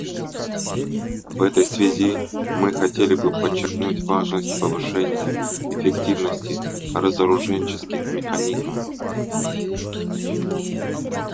В этой связи мы хотели бы подчеркнуть важность повышения эффективности разоруженческих механизмов.